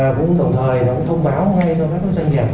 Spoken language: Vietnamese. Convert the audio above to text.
và cũng đồng thời thông báo ngay cho các loại doanh nghiệp